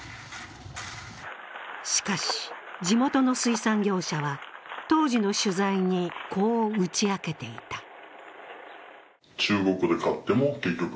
しかし、地元の水産業者は当時の取材に、こう打ち明けていた。